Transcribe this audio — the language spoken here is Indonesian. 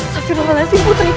saya sudah melasih putriku